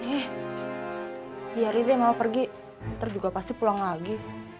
eh biarin dia mau pergi ntar juga pasti pulang lagi